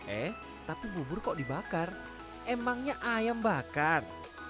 eh tapi bubur kok dibakar emangnya ayam bakar